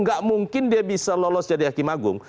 nggak mungkin dia bisa lolos jadi hakim agung